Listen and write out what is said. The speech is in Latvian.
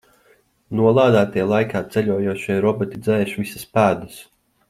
Nolādētie laikā ceļojošie roboti dzēš visas pēdas.